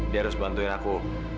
dia harus bantuin aku